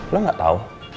lo gak tau